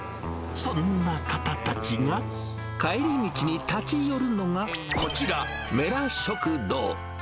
そんな方たちが帰り道に立ち寄るのがこちら、女良食堂。